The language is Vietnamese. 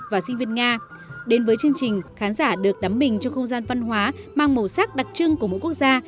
và sinh viên nga đến với chương trình khán giả được đắm mình trong không gian văn hóa mang màu sắc đặc trưng của mỗi quốc gia